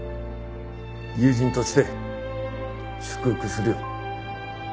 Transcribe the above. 友人として祝福するよ。